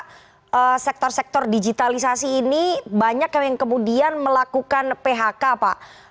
karena sektor sektor digitalisasi ini banyak yang kemudian melakukan phk pak